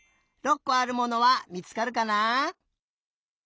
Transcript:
６こあるものはみつかるかな？